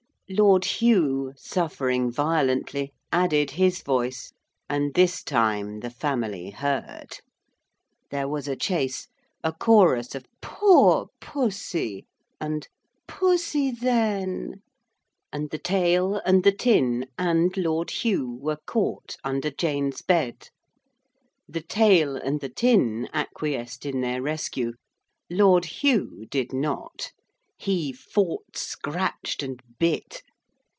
Lord Hugh, suffering violently, added his voice, and this time the family heard. There was a chase, a chorus of 'Poor pussy!' and 'Pussy, then!' and the tail and the tin and Lord Hugh were caught under Jane's bed. The tail and the tin acquiesced in their rescue. Lord Hugh did not. He fought, scratched, and bit.